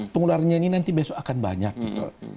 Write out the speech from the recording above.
pengularannya ini nanti besok akan banyak gitu